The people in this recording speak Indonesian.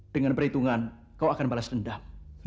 dengan perhitungan kau akan balas dendam